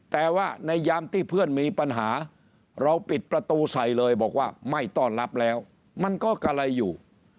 แต่ว่าในยามที่เพื่อนมีปัญหาเราปิดประตูใส่เลยบอกว่าไม่ต้อนรับแล้วมันก็กะไรอยู่